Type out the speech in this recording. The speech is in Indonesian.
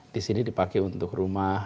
disini dipakai untuk rumah